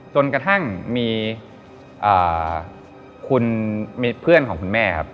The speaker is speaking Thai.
จนกระทั่งมีคุณมีเพื่อนของคุณแม่ครับ